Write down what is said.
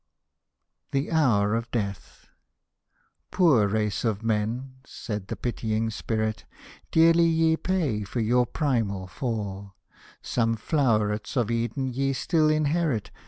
THE HOUR OF DE^TH " Poor race of men !" said the pitying Spirit, " Dearly ye pay for your primal Fall — Some flowerets of Eden ye still inherit.